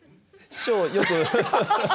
師匠よく。